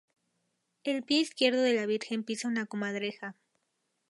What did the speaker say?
El pie izquierdo de la Virgen pisa una comadreja.